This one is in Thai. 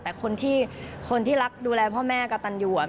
แต่คนที่รักดูแลพ่อแม่กระตันอยู่อ่ะ